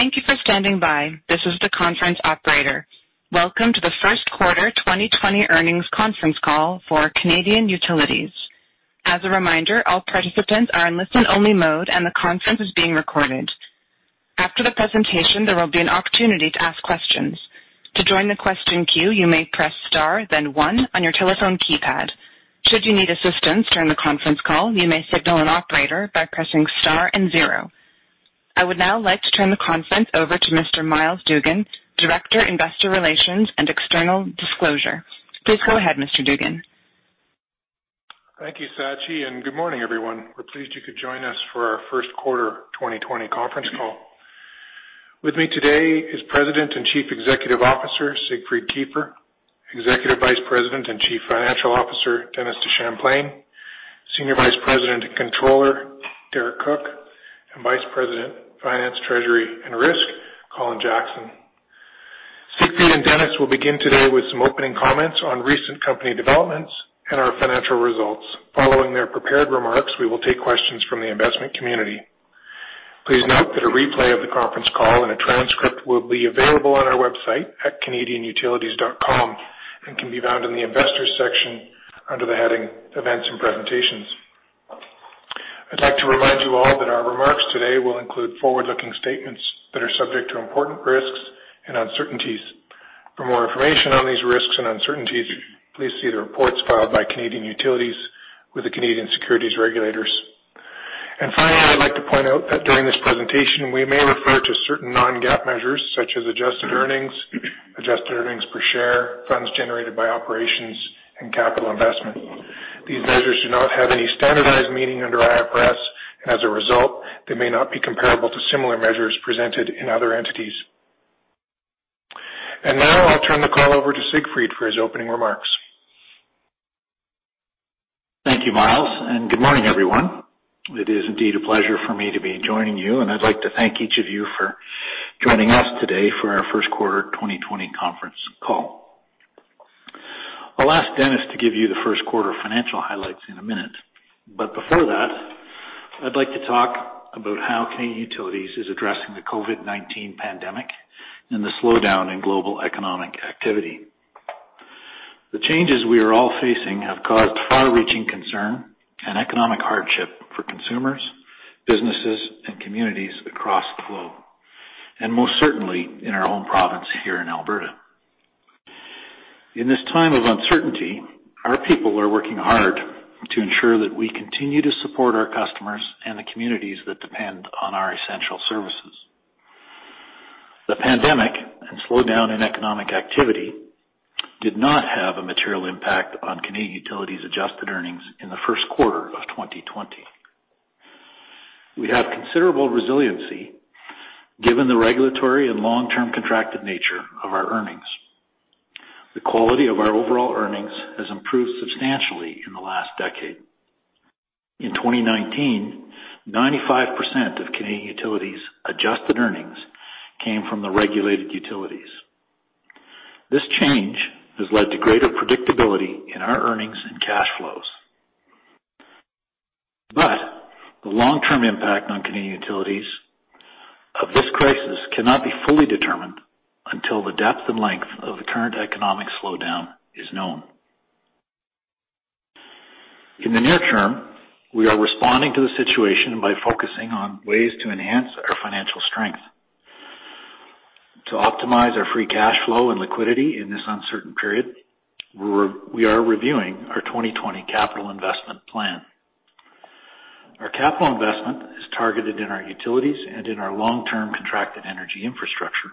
Thank you for standing by. This is the conference operator. Welcome to the first quarter 2020 earnings conference call for Canadian Utilities. As a reminder, all participants are in listen-only mode, and the conference is being recorded. After the presentation, there will be an opportunity to ask questions. To join the question queue, you may press star then one on your telephone keypad. Should you need assistance during the conference call, you may signal an operator by pressing star and zero. I would now like to turn the conference over to Mr. Myles Dougan, Director, Investor Relations and External Disclosure. Please go ahead, Mr. Dougan. Thank you, Sachi, and good morning, everyone. We're pleased you could join us for our first-quarter 2020 conference call. With me today is President and Chief Executive Officer, Siegfried Kiefer, Executive Vice President and Chief Financial Officer, Dennis DeChamplain, Senior Vice President and Controller, Derek Cook, and Vice President, Finance, Treasury, and Risk, Colin Jackson. Siegfried and Dennis will begin today with some opening comments on recent company developments and our financial results. Following their prepared remarks, we will take questions from the investment community. Please note that a replay of the conference call and a transcript will be available on our website at canadianutilities.com and can be found in the Investors section under the heading Events and Presentations. I'd like to remind you all that our remarks today will include forward-looking statements that are subject to important risks and uncertainties. For more information on these risks and uncertainties, please see the reports filed by Canadian Utilities with the Canadian securities regulators. Finally, I'd like to point out that during this presentation, we may refer to certain non-GAAP measures such as adjusted earnings, adjusted earnings per share, funds generated by operations, and capital investment. These measures do not have any standardized meaning under IFRS, and as a result, they may not be comparable to similar measures presented in other entities. Now I'll turn the call over to Siegfried for his opening remarks. Thank you, Myles, good morning, everyone. It is indeed a pleasure for me to be joining you, and I'd like to thank each of you for joining us today for our first-quarter 2020 conference call. I'll ask Dennis to give you the first-quarter financial highlights in a minute. Before that, I'd like to talk about how Canadian Utilities is addressing the COVID-19 pandemic and the slowdown in global economic activity. The changes we are all facing have caused far-reaching concern and economic hardship for consumers, businesses, and communities across the globe, and most certainly in our own province here in Alberta. In this time of uncertainty, our people are working hard to ensure that we continue to support our customers and the communities that depend on our essential services. The pandemic and slowdown in economic activity did not have a material impact on Canadian Utilities' adjusted earnings in the first quarter of 2020. We have considerable resiliency given the regulatory and long-term contracted nature of our earnings. The quality of our overall earnings has improved substantially in the last decade. In 2019, 95% of Canadian Utilities' adjusted earnings came from the regulated utilities. This change has led to greater predictability in our earnings and cash flows. The long-term impact on Canadian Utilities of this crisis cannot be fully determined until the depth and length of the current economic slowdown is known. In the near term, we are responding to the situation by focusing on ways to enhance our financial strength. To optimize our free cash flow and liquidity in this uncertain period, we are reviewing our 2020 capital investment plan. Our capital investment is targeted in our utilities and in our long-term contracted energy infrastructure.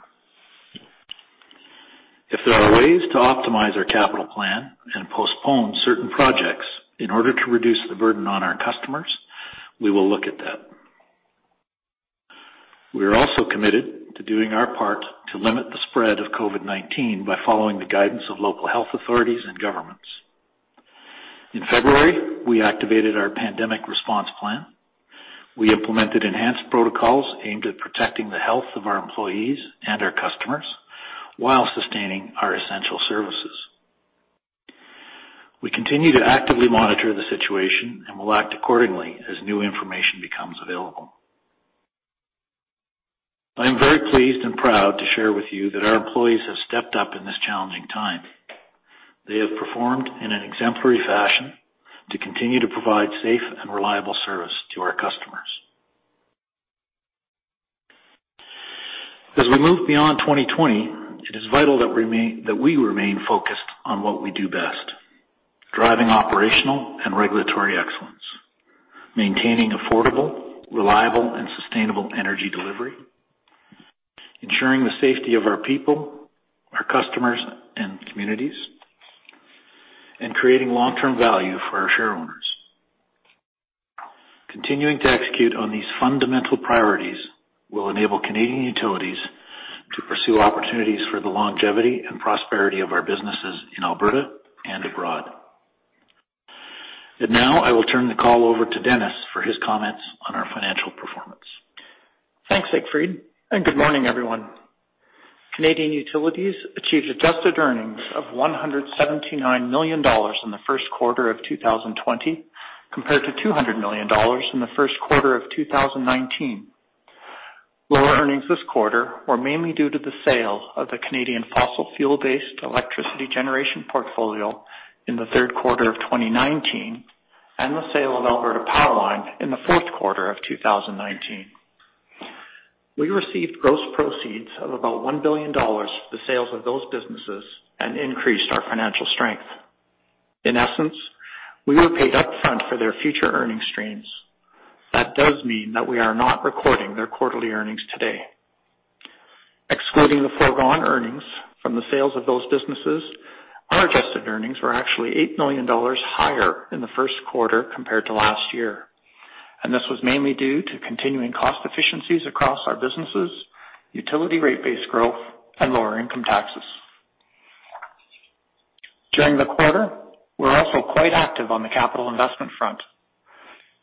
If there are ways to optimize our capital plan and postpone certain projects in order to reduce the burden on our customers, we will look at that. We are also committed to doing our part to limit the spread of COVID-19 by following the guidance of local health authorities and governments. In February, we activated our pandemic response plan. We implemented enhanced protocols aimed at protecting the health of our employees and our customers while sustaining our essential services. We continue to actively monitor the situation and will act accordingly as new information becomes available. I am very pleased and proud to share with you that our employees have stepped up in this challenging time. They have performed in an exemplary fashion to continue to provide safe and reliable service to our customers. As we move beyond 2020, it is vital that we remain focused on what we do best, driving operational and regulatory excellence, maintaining affordable, reliable, and sustainable energy delivery, ensuring the safety of our people, our customers, and communities, and creating long-term value for our shareowners. Continuing to execute on these fundamental priorities will enable Canadian Utilities to pursue opportunities for the longevity and prosperity of our businesses in Alberta and abroad. Now, I will turn the call over to Dennis for his comments on our financial performance. Thanks, Siegfried, good morning, everyone. Canadian Utilities achieved adjusted earnings of 179 million dollars in the first quarter of 2020, compared to 200 million dollars in the first quarter of 2019. Lower earnings this quarter were mainly due to the sale of the Canadian fossil fuel-based electricity generation portfolio in the third quarter of 2019 and the sale of Alberta PowerLine in the fourth quarter of 2019. We received gross proceeds of about 1 billion dollars for the sales of those businesses and increased our financial strength. In essence, we were paid upfront for their future earning streams. That does mean that we are not recording their quarterly earnings today. Excluding the foregone earnings from the sales of those businesses, our adjusted earnings were actually 8 million dollars higher in the first quarter compared to last year. This was mainly due to continuing cost efficiencies across our businesses, utility rate-based growth, and lower income taxes. During the quarter, we're also quite active on the capital investment front.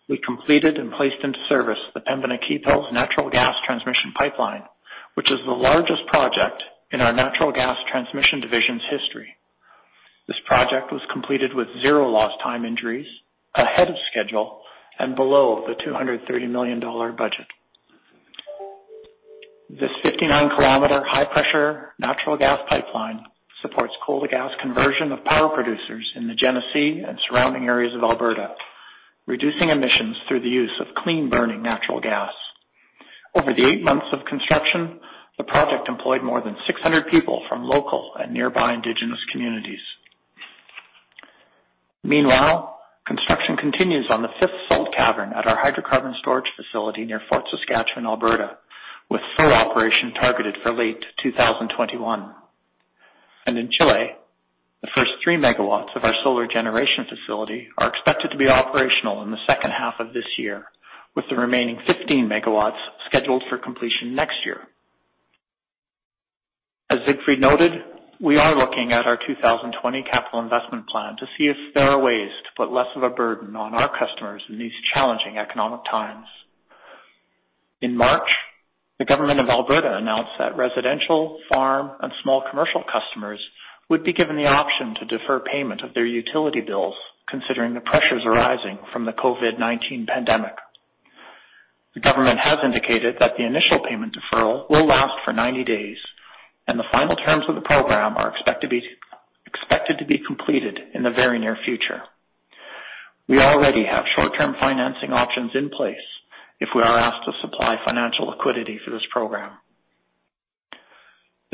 We completed and placed into service the Pembina Cardium natural gas transmission pipeline, which is the largest project in our natural gas transmission division's history. This project was completed with zero lost time injuries, ahead of schedule, and below the 230 million dollar budget. This 59 km high-pressure natural gas pipeline supports coal to gas conversion of power producers in the Genesee and surrounding areas of Alberta, reducing emissions through the use of clean-burning natural gas. Over the eight months of construction, the project employed more than 600 people from local and nearby indigenous communities. Meanwhile, construction continues on the fifth salt cavern at our hydrocarbon storage facility near Fort Saskatchewan, Alberta, with full operation targeted for late 2021. In Chile, the first 3 MW of our solar generation facility are expected to be operational in the second half of this year, with the remaining 15 MW scheduled for completion next year. As Siegfried noted, we are looking at our 2020 capital investment plan to see if there are ways to put less of a burden on our customers in these challenging economic times. In March, the government of Alberta announced that residential, farm, and small commercial customers would be given the option to defer payment of their utility bills, considering the pressures arising from the COVID-19 pandemic. The government has indicated that the initial payment deferral will last for 90 days, and the final terms of the program are expected to be completed in the very near future. We already have short-term financing options in place if we are asked to supply financial liquidity for this program.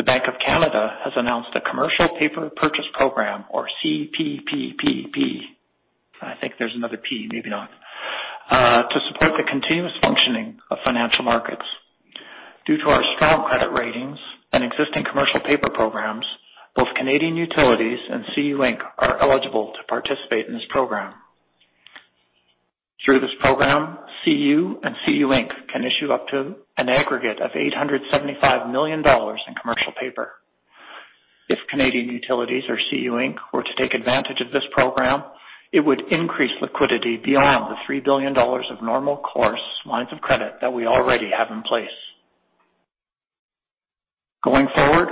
The Bank of Canada has announced a commercial paper purchase program or CPPPP, I think there's another P, maybe not, to support the continuous functioning of financial markets. Due to our strong credit ratings and existing commercial paper programs, both Canadian Utilities and CU Inc. are eligible to participate in this program. Through this program, CU and CU Inc. can issue up to an aggregate of 875 million dollars in commercial paper. If Canadian Utilities or CU Inc. were to take advantage of this program, it would increase liquidity beyond the 3 billion dollars of normal course lines of credit that we already have in place. Going forward,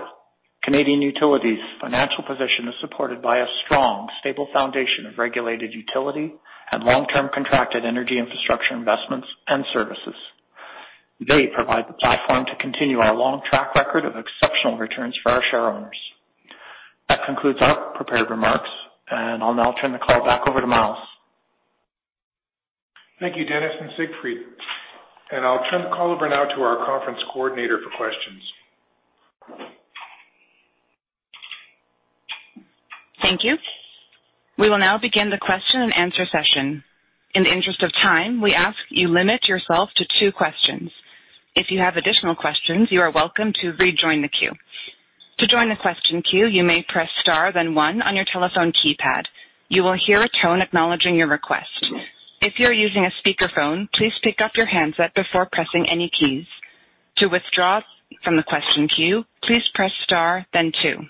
Canadian Utilities' financial position is supported by a strong, stable foundation of regulated utility and long-term contracted energy infrastructure investments and services. They provide the platform to continue our long track record of exceptional returns for our shareowners. That concludes our prepared remarks. I'll now turn the call back over to Myles. Thank you, Dennis and Siegfried. I'll turn the call over now to our conference coordinator for questions. Thank you. We will now begin the question and answer session. In the interest of time, we ask you limit yourself to two questions. If you have additional questions, you are welcome to rejoin the queue. To join the question queue, you may press star then one on your telephone keypad. You will hear a tone acknowledging your request. If you are using a speakerphone, please pick up your handset before pressing any keys. To withdraw from the question queue, please press star then two.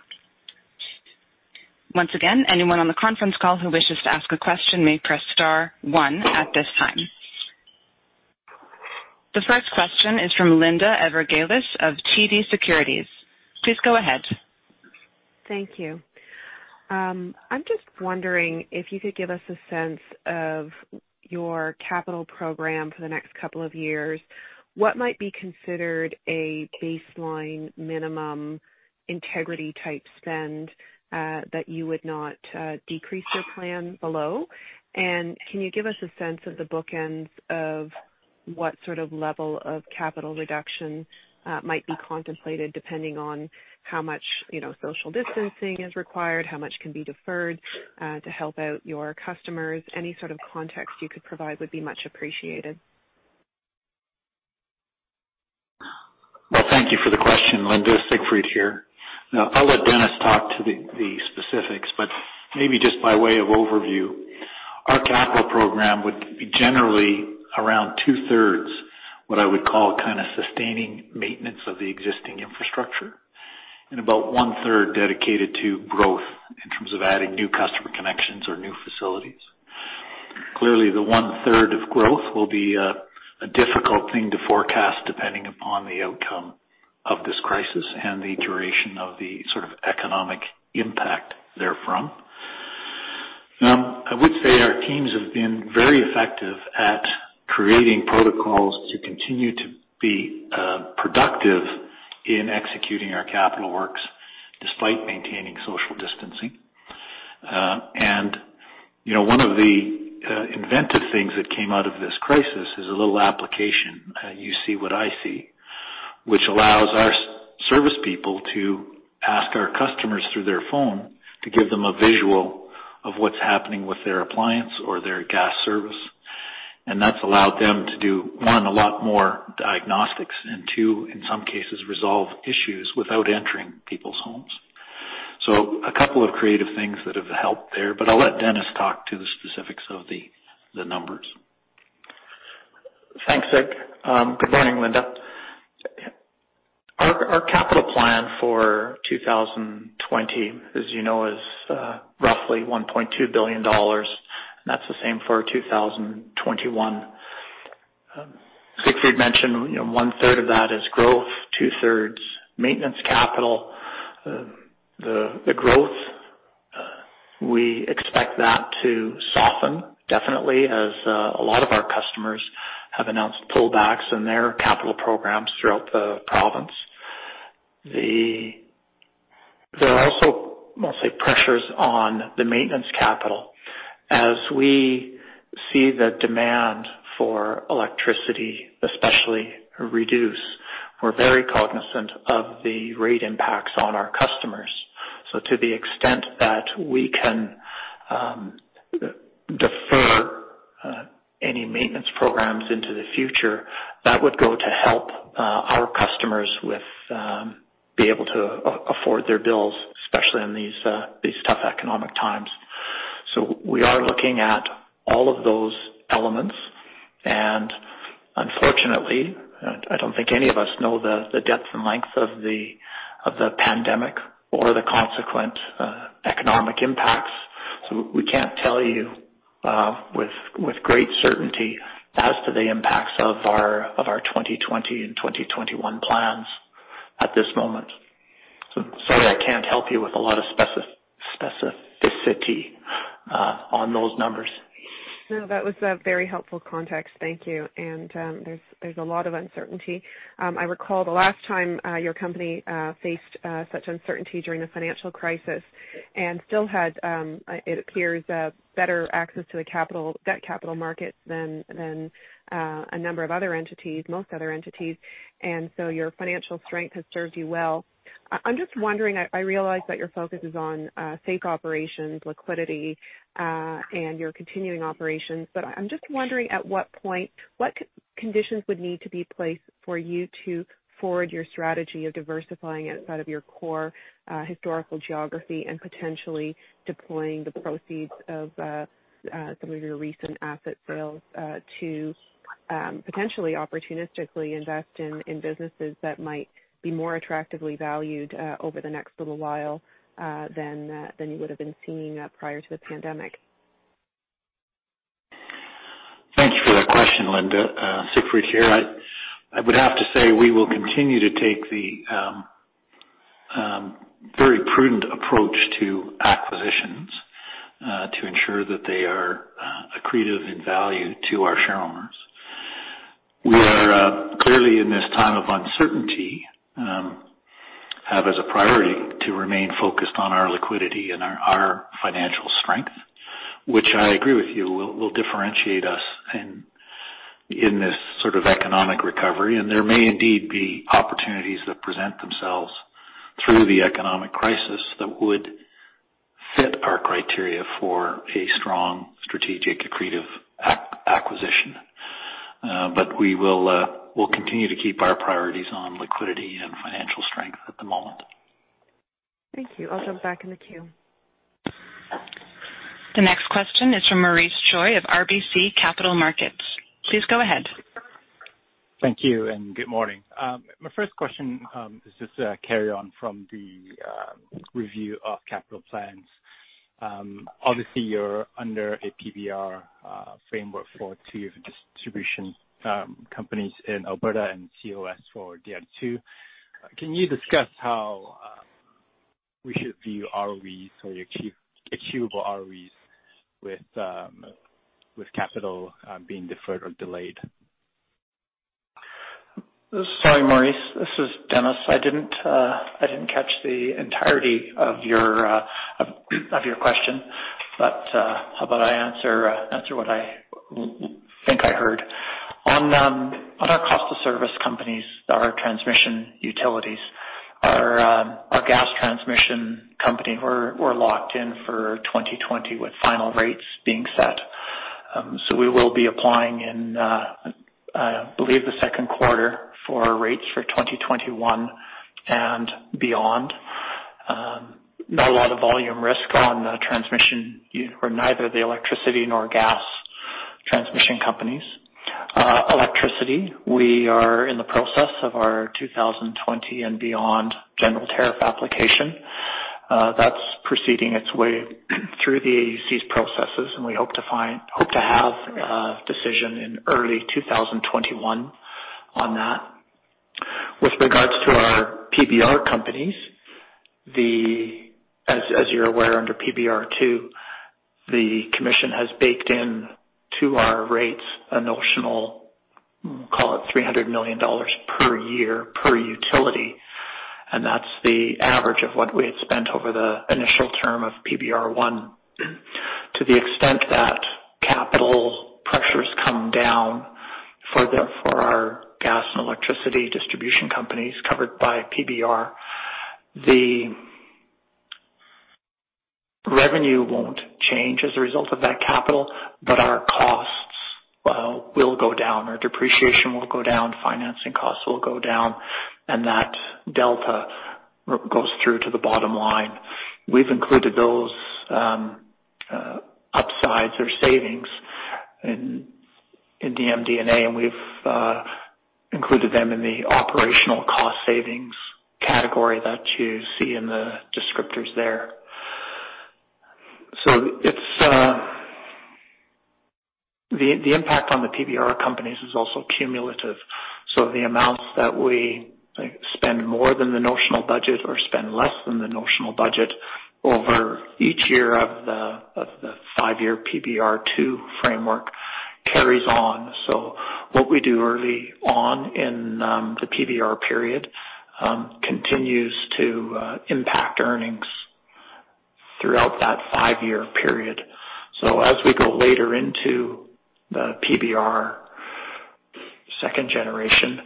Once again, anyone on the conference call who wishes to ask a question may press star one at this time. The first question is from Linda Ezergailis of TD Securities. Please go ahead. Thank you. I'm just wondering if you could give us a sense of your capital program for the next couple of years. What might be considered a baseline minimum integrity type spend, that you would not decrease your plan below? Can you give us a sense of the bookends of what sort of level of capital reduction might be contemplated depending on how much social distancing is required, how much can be deferred, to help out your customers? Any sort of context you could provide would be much appreciated. Well, thank you for the question, Linda. Siegfried here. I'll let Dennis talk to the specifics, but maybe just by way of overview, our capital program would be generally around two-thirds what I would call sustaining maintenance of the existing infrastructure, and about one-third dedicated to growth in terms of adding new customer connections or new facilities. Clearly, the one-third of growth will be a difficult thing to forecast depending upon the outcome of this crisis and the duration of the economic impact therefrom. I would say our teams have been very effective at creating protocols to continue to be productive in executing our capital works despite maintaining social distancing. One of the inventive things that came out of this crisis is a little application, You See What I See, which allows our service people to ask our customers through their phone to give them a visual of what's happening with their appliance or their gas service. That's allowed them to do, 1, a lot more diagnostics, and 2, in some cases, resolve issues without entering people's homes. A couple of creative things that have helped there, but I'll let Dennis talk to the specifics of the numbers. Thanks, Sig. Good morning, Linda. Our capital plan for 2020, as you know, is roughly 1.2 billion dollars. That's the same for 2021. Siegfried mentioned one-third of that is growth, two-thirds maintenance capital. The growth, we expect that to soften, definitely, as a lot of our customers have announced pullbacks in their capital programs throughout the province. There are also, mostly pressures on the maintenance capital. As we see the demand for electricity especially reduce, we're very cognizant of the rate impacts on our customers. To the extent that we can defer any maintenance programs into the future, that would go to help our customers be able to afford their bills, especially in these tough economic times. We are looking at all of those elements, and unfortunately, I don't think any of us know the depth and length of the pandemic or the consequent economic impacts. We can't tell you with great certainty as to the impacts of our 2020 and 2021 plans at this moment. Sorry I can't help you with a lot of specificity on those numbers. No, that was a very helpful context. Thank you. There's a lot of uncertainty. I recall the last time your company faced such uncertainty during the financial crisis and still had, it appears, a better access to the debt capital market than a number of other entities, most other entities. So your financial strength has served you well. I'm just wondering, I realize that your focus is on safe operations, liquidity, and your continuing operations, but I'm just wondering at what point, what conditions would need to be in place for you to forward your strategy of diversifying outside of your core historical geography and potentially deploying the proceeds of some of your recent asset sales to potentially opportunistically invest in businesses that might be more attractively valued over the next little while than you would've been seeing prior to the pandemic? Thanks for that question, Linda. Siegfried here. I would have to say we will continue to take the very prudent approach to acquisitions to ensure that they are accretive in value to our shareholders. We are clearly in this time of uncertainty, have as a priority to remain focused on our liquidity and our financial strength, which I agree with you, will differentiate us in this sort of economic recovery. There may indeed be opportunities that present themselves through the economic crisis that would fit our criteria for a strong strategic accretive acquisition. We'll continue to keep our priorities on liquidity and financial strength at the moment. Thank you. I'll jump back in the queue. The next question is from Maurice Choy of RBC Capital Markets. Please go ahead. Thank you, and good morning. My first question is just a carry on from the review of capital plans. Obviously, you're under a PBR framework for two of your distribution companies in Alberta and COS for DN2. Can you discuss how we should view ROEs or achievable ROEs with capital being deferred or delayed? Sorry, Maurice. This is Dennis. I didn't catch the entirety of your question, but how about I answer what I think I heard. On our cost of service companies, our transmission utilities, our gas transmission company, we're locked in for 2020 with final rates being set. We will be applying in, I believe, the second quarter for our rates for 2021 and beyond. Not a lot of volume risk on the transmission for neither the electricity nor gas transmission companies. Electricity. We are in the process of our 2020 and beyond general tariff application. That's proceeding its way through the AUC's processes, and we hope to have a decision in early 2021 on that. With regards to our PBR companies, as you're aware, under PBR2, the commission has baked into our rates a notional, call it 300 million dollars per year per utility, and that's the average of what we had spent over the initial term of PBR1. To the extent that capital pressures come down for our gas and electricity distribution companies covered by PBR, the revenue won't change as a result of that capital, but our costs will go down, our depreciation will go down, financing costs will go down, and that delta goes through to the bottom line. We've included those upsides or savings in the MD&A, and we've included them in the operational cost savings category that you see in the descriptors there. The impact on the PBR companies is also cumulative. The amounts that we spend more than the notional budget or spend less than the notional budget over each year of the five-year PBR2 framework carries on. What we do early on in the PBR period continues to impact earnings throughout that five-year period. As we go later into the PBR second generation,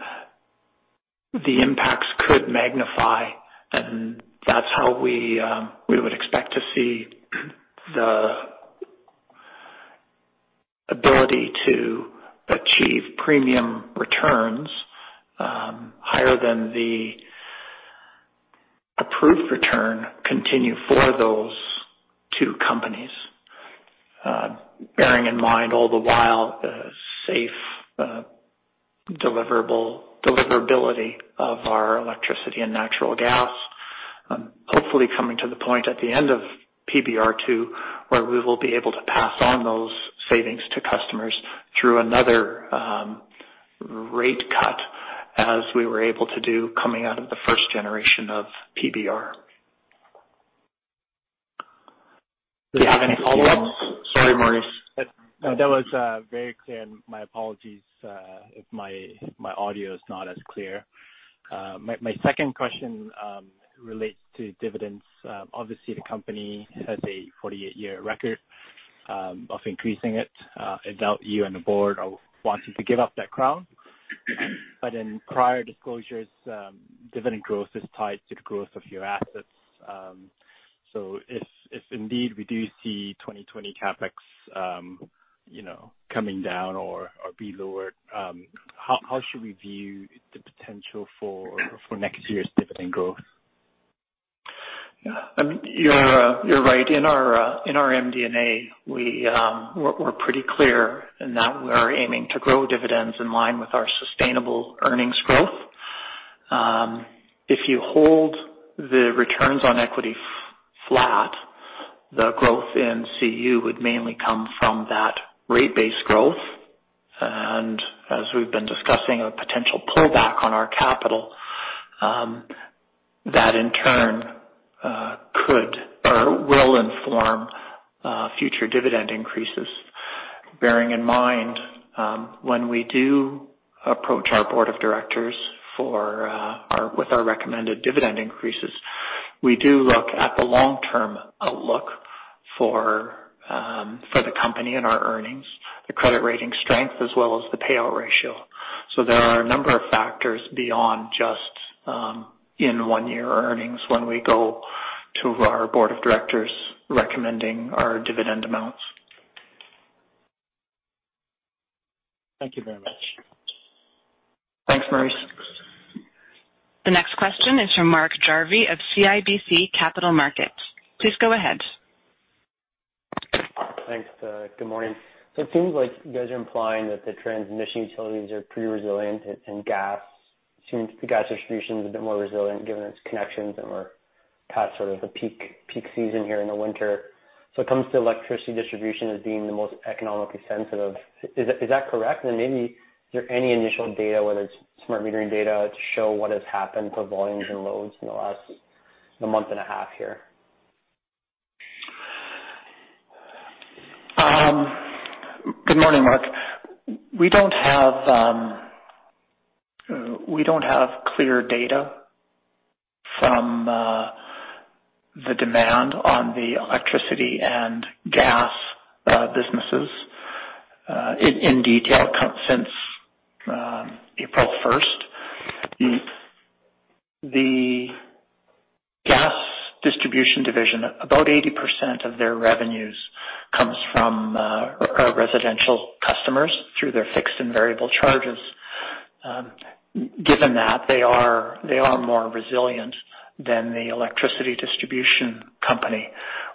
the impacts could magnify, and that's how we would expect to see the ability to achieve premium returns higher than the approved return continue for those two companies. Bearing in mind all the while, the safe deliverability of our electricity and natural gas. Hopefully coming to the point at the end of PBR2, where we will be able to pass on those savings to customers through another rate cut as we were able to do coming out of the first generation of PBR. Do you have any follow-ups? Sorry, Maurice. That was very clear. My apologies if my audio is not as clear. My second question relates to dividends. Obviously, the company has a 48-year record of increasing it. I doubt you and the board are wanting to give up that crown. In prior disclosures, dividend growth is tied to the growth of your assets. If indeed we do see 2020 CapEx coming down or be lower, how should we view the potential for next year's dividend growth? You're right. In our MD&A, we're pretty clear in that we are aiming to grow dividends in line with our sustainable earnings growth. If you hold the returns on equity flat, the growth in CU would mainly come from that rate-based growth. As we've been discussing, a potential pullback on our capital that in turn could or will inform future dividend increases. Bearing in mind, when we do approach our board of directors with our recommended dividend increases, we do look at the long-term outlook for the company and our earnings, the credit rating strength, as well as the payout ratio. There are a number of factors beyond just in one-year earnings when we go to our board of directors recommending our dividend amounts. Thank you very much. Thanks, Maurice. The next question is from Mark Jarvi of CIBC Capital Markets. Please go ahead. Thanks. Good morning. It seems like you guys are implying that the transmission utilities are pretty resilient and the gas distribution's a bit more resilient given its connections and we're past sort of the peak season here in the winter. It comes to electricity distribution as being the most economically sensitive. Is that correct? Maybe, is there any initial data, whether it's smart metering data, to show what has happened to volumes and loads in the last month and a half here? Good morning, Mark. We don't have clear data from the demand on the electricity and gas businesses in detail since April 1st. The gas distribution division, about 80% of their revenues comes from our residential customers through their fixed and variable charges. Given that, they are more resilient than the electricity distribution company,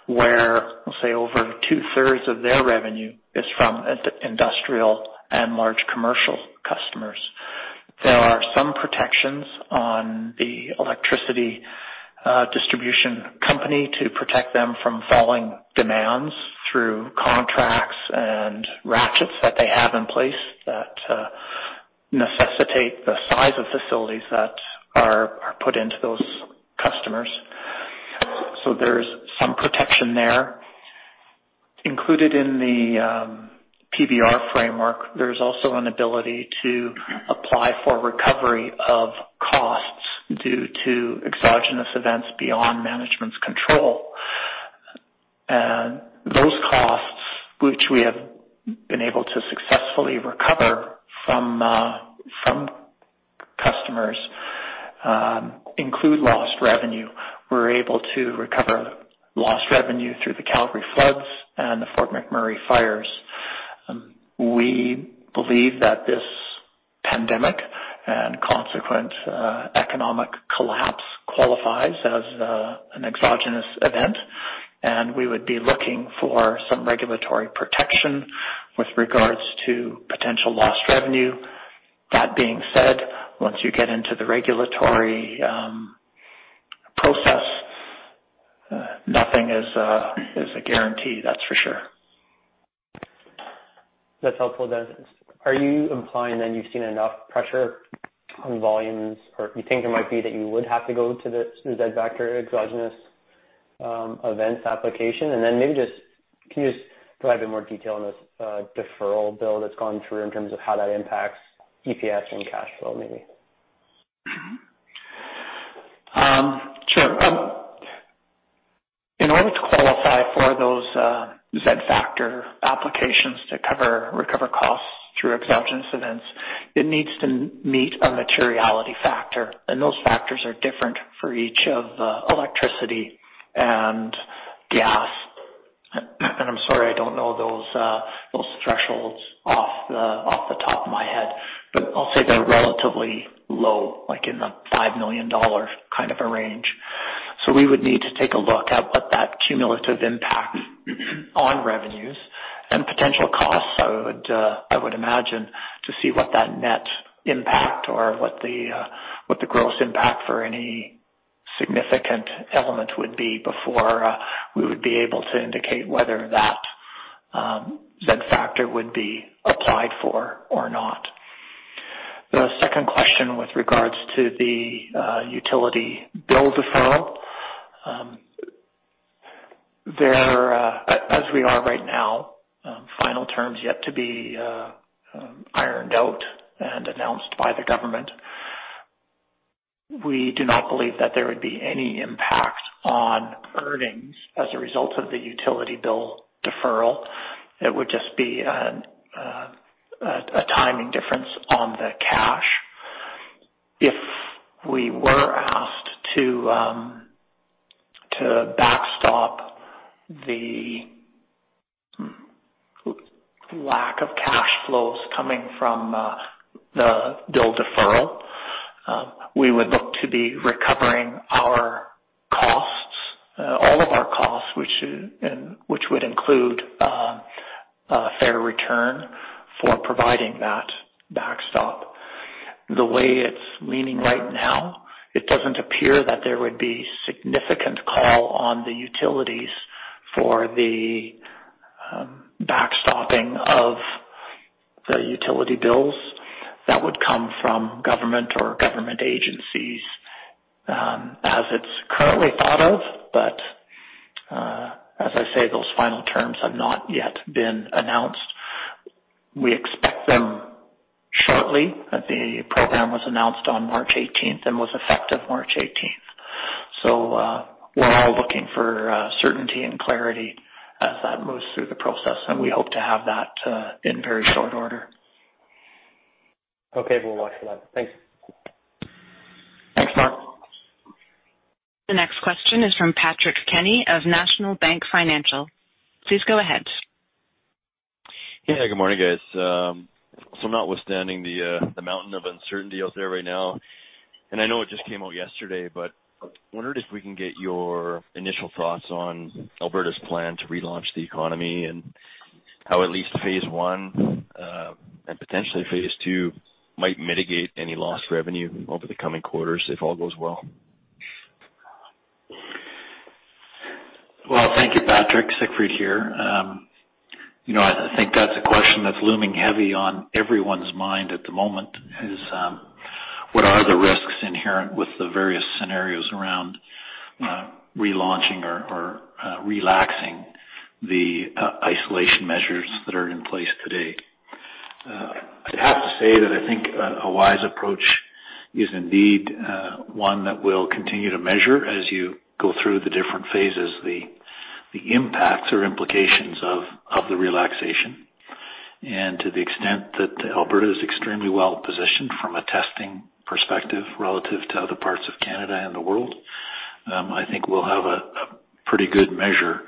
where, say, over two-thirds of their revenue is from industrial and large commercial customers. There are some protections on the electricity distribution company to protect them from falling demands through contracts and ratchets that they have in place that necessitate the size of facilities that are put into those customers. There's some protection there. Included in the PBR framework, there's also an ability to apply for recovery of costs due to exogenous events beyond management's control. Those costs, which we have been able to successfully recover from customers, include lost revenue. We're able to recover lost revenue through the Calgary floods and the Fort McMurray fires. We believe that this pandemic and consequent economic collapse qualifies as an exogenous event, we would be looking for some regulatory protection with regards to potential lost revenue. That being said, once you get into the regulatory process, nothing is a guarantee, that's for sure. That's helpful then. Are you implying that you've seen enough pressure on volumes, or you think it might be that you would have to go to the Z-factor exogenous events application? Maybe can you just provide a bit more detail on this deferral bill that's gone through in terms of how that impacts EPS and cash flow, maybe? Sure. In order to qualify for those Z-factor applications to cover recover costs through exogenous events, it needs to meet a materiality factor, and those factors are different for each of the electricity and gas. I'm sorry, I don't know those thresholds off the top of my head, but I'll say they're relatively low, like in the 5 million dollar kind of a range. We would need to take a look at what that cumulative impact on revenues and potential costs, I would imagine, to see what that net impact or what the gross impact for any significant element would be before we would be able to indicate whether that Z-factor would be applied for or not. The second question with regards to the utility bill deferral. As we are right now, final terms yet to be ironed out and announced by the government. We do not believe that there would be any impact on earnings as a result of the utility bill deferral. It would just be a timing difference on the cash. If we were asked to backstop the lack of cash flows coming from the bill deferral, we would look to be recovering our costs, all of our costs, which would include a fair return for providing that backstop. The way it's leaning right now, it doesn't appear that there would be significant call on the utilities for the backstopping of the utility bills. That would come from government or government agencies, as it's currently thought of. As I say, those final terms have not yet been announced. We expect them shortly. The program was announced on March 18th and was effective March 18th. We're all looking for certainty and clarity as that moves through the process, and we hope to have that in very short order. Okay. We'll watch for that. Thanks. Thanks, Mark. The next question is from Patrick Kenny of National Bank Financial. Please go ahead. Yeah, good morning, guys. Notwithstanding the mountain of uncertainty out there right now, and I know it just came out yesterday, but wondered if we can get your initial thoughts on Alberta's plan to relaunch the economy and how at least phase one, and potentially phase two, might mitigate any lost revenue over the coming quarters if all goes well. Well, thank you, Patrick. Siegfried here. I think that's a question that's looming heavy on everyone's mind at the moment, is what are the risks inherent with the various scenarios around relaunching or relaxing the isolation measures that are in place today? I'd have to say that I think a wise approach is indeed one that we'll continue to measure as you go through the different phases, the impacts or implications of the relaxation. To the extent that Alberta is extremely well-positioned from a testing perspective relative to other parts of Canada and the world. I think we'll have a pretty good measure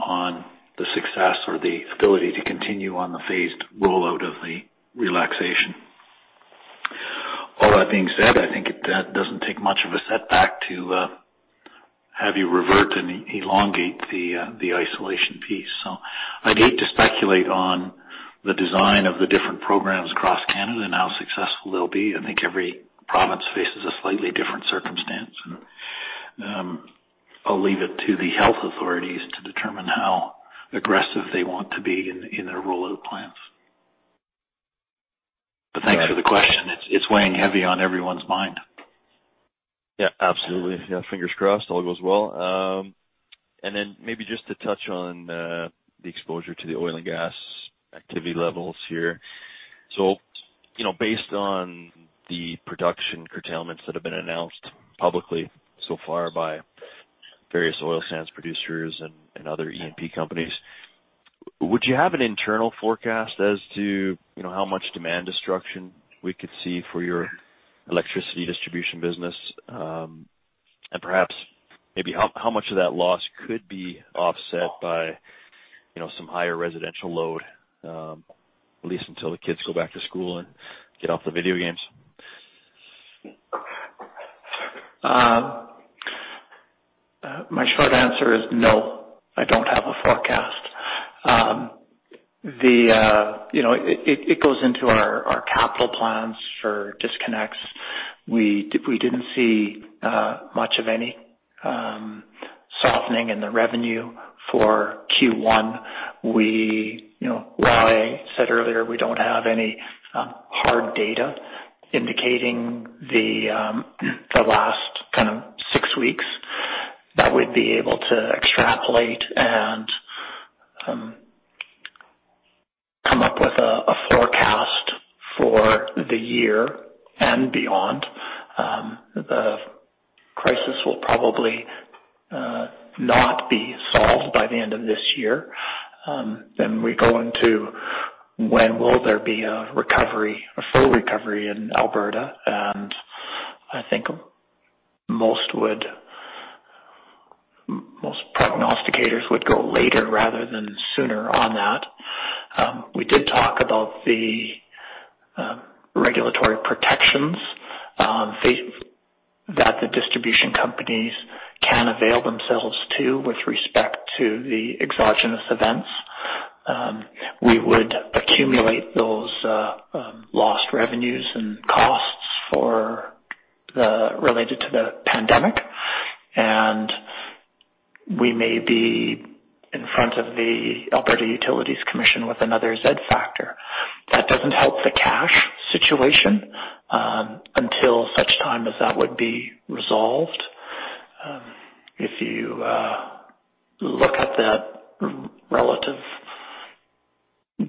on the success or the ability to continue on the phased rollout of the relaxation. All that being said, I think it doesn't take much of a setback to have you revert and elongate the isolation piece. I'd hate to speculate on the design of the different programs across Canada and how successful they'll be. I think every province faces a slightly different circumstance, and I'll leave it to the health authorities to determine how aggressive they want to be in their rollout plans. Thanks for the question. It's weighing heavy on everyone's mind. Yeah, absolutely. Fingers crossed all goes well. Maybe just to touch on the exposure to the oil and gas activity levels here. Based on the production curtailments that have been announced publicly so far by various oil sands producers and other E&P companies, would you have an internal forecast as to how much demand destruction we could see for your electricity distribution business? Perhaps maybe how much of that loss could be offset by some higher residential load, at least until the kids go back to school and get off the video games? My short answer is no. I don't have a forecast. It goes into our capital plans for disconnects. We didn't see much of any softening in the revenue for Q1. While I said earlier we don't have any hard data indicating the last six weeks that we'd be able to extrapolate and come up with a forecast for the year and beyond. The crisis will probably not be solved by the end of this year. We go into when will there be a full recovery in Alberta? I think most prognosticators would go later rather than sooner on that. We did talk about the regulatory protections that the distribution companies can avail themselves to with respect to the exogenous events. We would accumulate those lost revenues and costs related to the pandemic, and we may be in front of the Alberta Utilities Commission with another Z-factor. That doesn't help the cash situation until such time as that would be resolved. If you look at the relative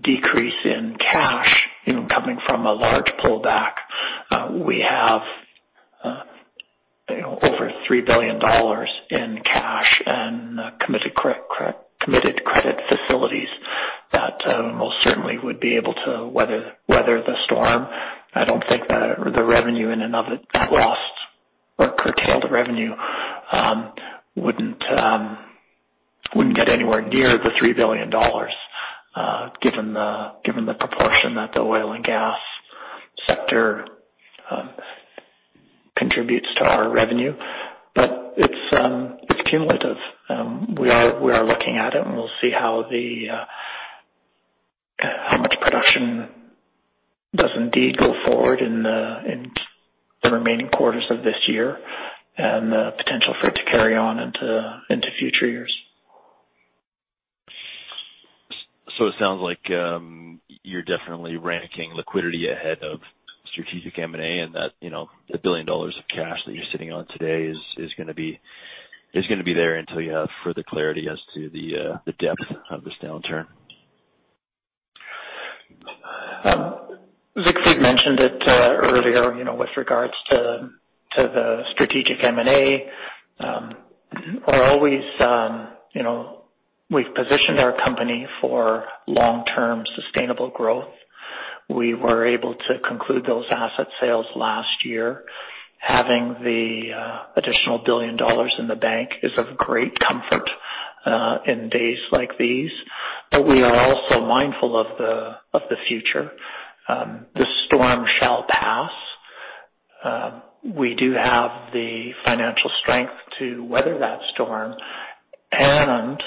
decrease in cash coming from a large pullback, we have over 3 billion dollars in cash and committed credit facilities that most certainly would be able to weather the storm. I don't think the revenue in and of it that lost or curtailed revenue wouldn't get anywhere near the 3 billion dollars, given the proportion that the oil and gas sector contributes to our revenue. It's cumulative. We are looking at it, and we'll see how much production does indeed go forward in the remaining quarters of this year and the potential for it to carry on into future years. It sounds like you're definitely ranking liquidity ahead of strategic M&A and that the 1 billion dollars of cash that you're sitting on today is going to be there until you have further clarity as to the depth of this downturn. Siegfried mentioned it earlier with regards to the strategic M&A. We've positioned our company for long-term sustainable growth. We were able to conclude those asset sales last year. Having the additional 1 billion dollars in the bank is of great comfort in days like these. We are also mindful of the future. This storm shall pass. We do have the financial strength to weather that storm and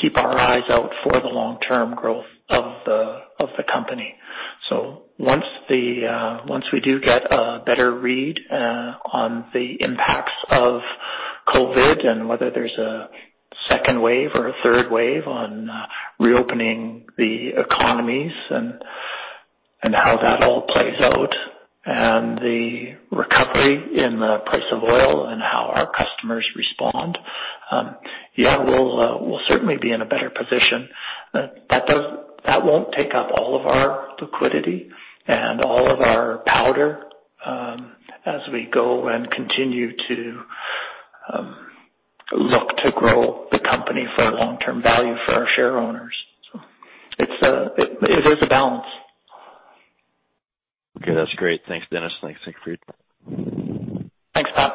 keep our eyes out for the long-term growth of the company. Once we do get a better read on the impacts of COVID-19 and whether there's a second wave or a third wave on reopening the economies and how that all plays out and the recovery in the price of oil and how our customers respond, we'll certainly be in a better position. That won't take up all of our liquidity and all of our powder as we go and continue to look to grow the company for long-term value for our share owners. It is a balance. Okay. That's great. Thanks, Dennis. Thanks, Siegfried. Thanks, Pat.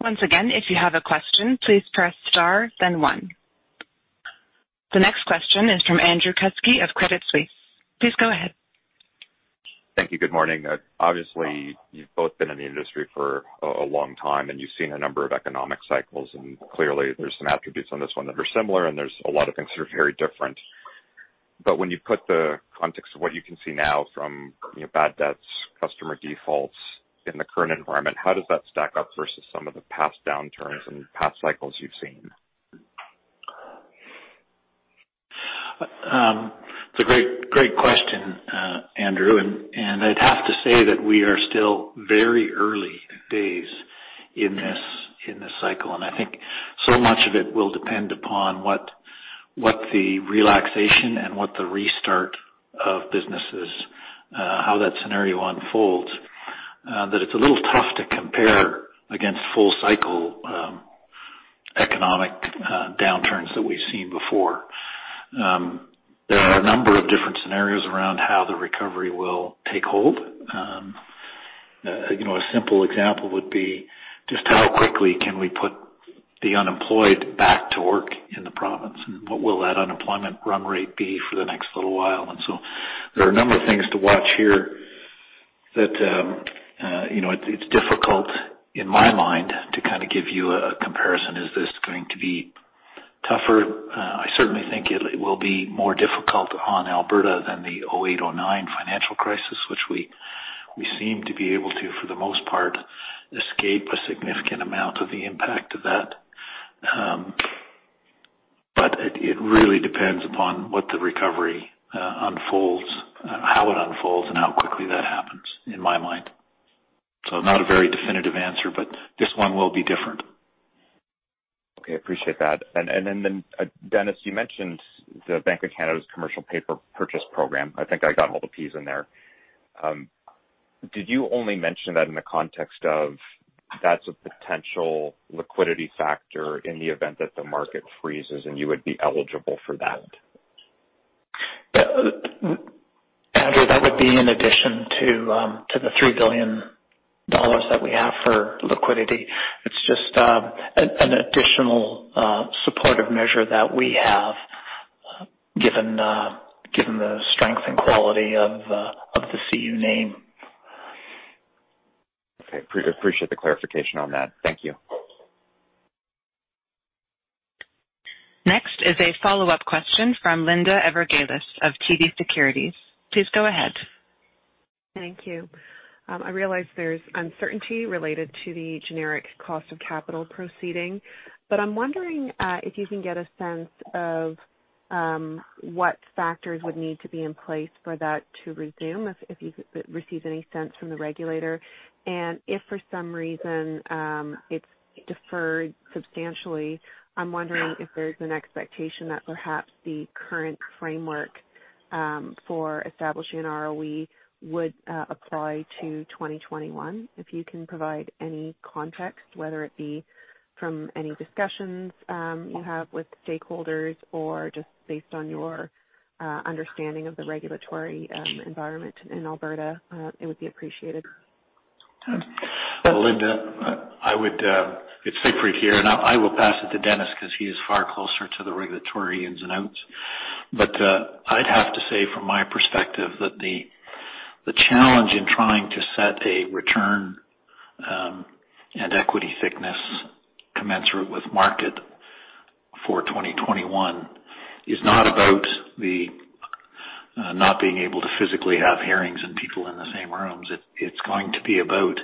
Once again, if you have a question, please press star, then one. The next question is from Andrew Kuske of Credit Suisse. Please go ahead. Thank you. Good morning. Obviously, you've both been in the industry for a long time, and you've seen a number of economic cycles, and clearly there's some attributes on this one that are similar, and there's a lot of things that are very different. When you put the context of what you can see now from bad debts, customer defaults in the current environment, how does that stack up versus some of the past downturns and past cycles you've seen? It's a great question, Andrew. I'd have to say that we are still very early days in this cycle, I think so much of it will depend upon what the relaxation and what the restart of businesses, how that scenario unfolds, that it's a little tough to compare against full-cycle economic downturns that we've seen before. There are a number of different scenarios around how the recovery will take hold. A simple example would be just how quickly can we put the unemployed back to work in the province, what will that unemployment run rate be for the next little while? There are a number of things to watch here that it's difficult, in my mind, to kind of give you a comparison. Is this going to be tougher? I certainly think it will be more difficult on Alberta than the 2008, 2009 financial crisis, which we seem to be able to, for the most part, escape a significant amount of the impact of that. It really depends upon what the recovery unfolds, how it unfolds, and how quickly that happens, in my mind. Not a very definitive answer, but this one will be different. Okay. Appreciate that. Dennis, you mentioned the Bank of Canada's Commercial Paper Purchase Program. I think I got all the Ps in there. Did you only mention that in the context of that's a potential liquidity factor in the event that the market freezes and you would be eligible for that? Andrew, that would be in addition to the 3 billion dollars that we have for liquidity. It's just an additional supportive measure that we have given the strength and quality of the CU name. Okay. Appreciate the clarification on that. Thank you. Next is a follow-up question from Linda Ezergailis of TD Securities. Please go ahead. Thank you. I realize there's uncertainty related to the generic cost of capital proceeding, but I'm wondering if you can get a sense of what factors would need to be in place for that to resume, if you received any sense from the regulator. If for some reason it's deferred substantially, I'm wondering if there's an expectation that perhaps the current framework for establishing an ROE would apply to 2021. If you can provide any context, whether it be from any discussions you have with stakeholders or just based on your understanding of the regulatory environment in Alberta, it would be appreciated. Linda, it's Siegfried here, I will pass it to Dennis because he is far closer to the regulatory ins and outs. I'd have to say from my perspective that the challenge in trying to set a return and equity thickness commensurate with market for 2021 is not about the not being able to physically have hearings and people in the same rooms. It's going to be about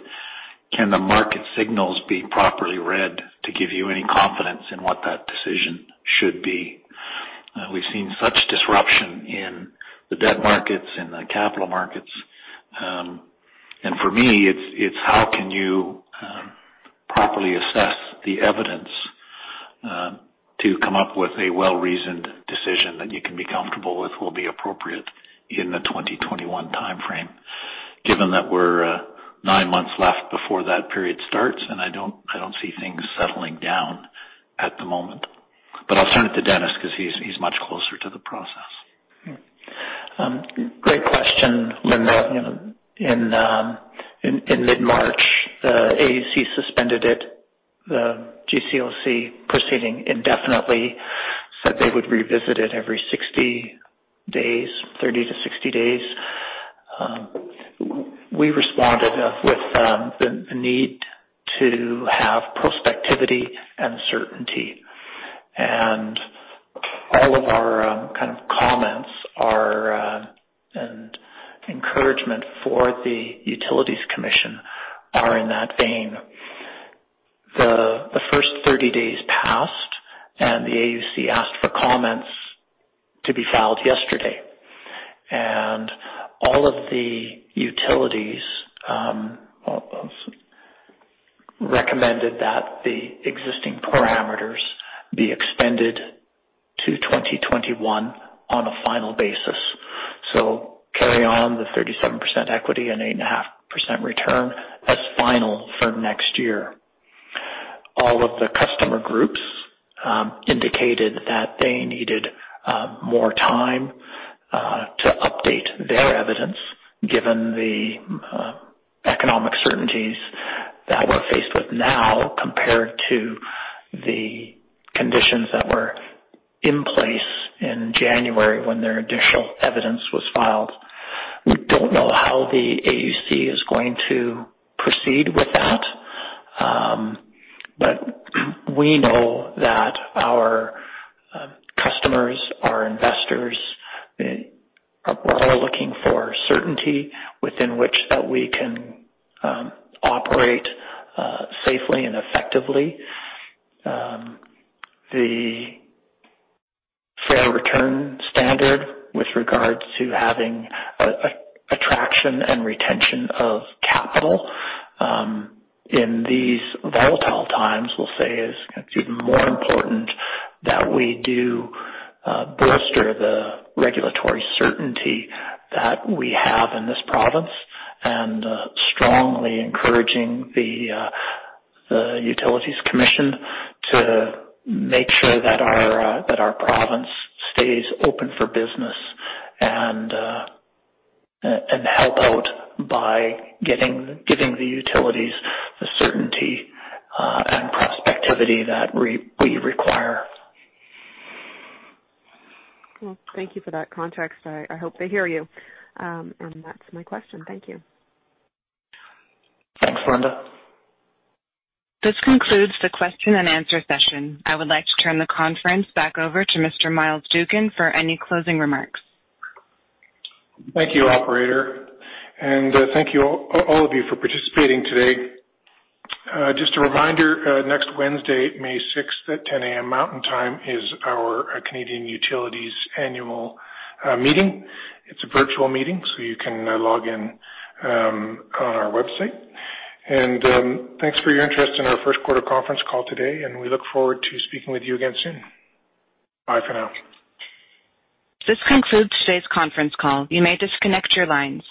can the market signals be properly read to give you any confidence in what that decision should be? We've seen such disruption in the debt markets and the capital markets. For me, it's how can you properly assess the evidence to come up with a well-reasoned decision that you can be comfortable with will be appropriate in the 2021 timeframe, given that we're nine months left before that period starts, and I don't see things settling down at the moment. I'll turn it to Dennis because he's much closer to the process. Great question, Linda. In mid-March, the AUC suspended it, the GCOC proceeding indefinitely, said they would revisit it every 60 days, 30-60 days. We responded with the need to have prospectivity and certainty. All of our kind of comments are an encouragement for the Utilities Commission are in that vein. The first 30 days passed, and the AUC asked for comments to be filed yesterday. All of the utilities recommended that the existing parameters be extended to 2021 on a final basis. Carry on the 37% equity and 8.5% return as final for next year. All of the customer groups indicated that they needed more time to update their evidence given the economic certainties that we're faced with now compared to the conditions that were in place in January when their initial evidence was filed. We don't know how the AUC is going to proceed with that. We know that our customers, our investors, are all looking for certainty within which that we can operate safely and effectively. The fair return standard with regards to having attraction and retention of capital in these volatile times, we'll say, is even more important that we do bolster the regulatory certainty that we have in this province and strongly encouraging the Utilities Commission to make sure that our province stays open for business and help out by giving the utilities the certainty and prospectivity that we require. Well, thank you for that context. I hope they hear you. That's my question. Thank you. Thanks, Linda. This concludes the question and answer session. I would like to turn the conference back over to Mr. Myles Dougan for any closing remarks. Thank you, operator. Thank you all of you for participating today. Just a reminder, next Wednesday, May 6th at 10:00 A.M. Mountain Time is our Canadian Utilities annual meeting. It's a virtual meeting. You can log in on our website. Thanks for your interest in our first quarter conference call today, and we look forward to speaking with you again soon. Bye for now. This concludes today's conference call. You may disconnect your lines.